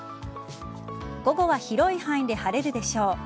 午後は広い範囲で晴れるでしょう。